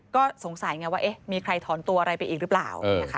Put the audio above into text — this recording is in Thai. ก็สงสัยไงว่ามีใครถอนตัวอะไรไปอีกหรือเปล่า